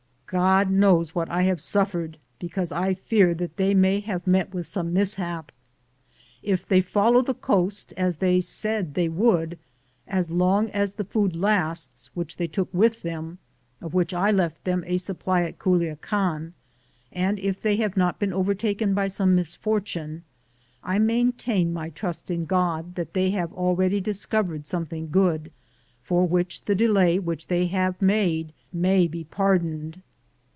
Ood knows what I have suffered, because I fear that they may have met with some mishap. If they follow the coast, as they said they would, as long as the food lasts which they took with them, of which I left them a supply in Culiacan, and if they have not been overtaken by some misfortune, I maintain my trust in God that they have already discovered something good, for which the delay which they have made may be pardoned.